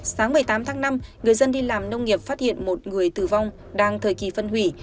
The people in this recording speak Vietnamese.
sáng một mươi tám tháng năm người dân đi làm nông nghiệp phát hiện một người tử vong đang thời kỳ phân hủy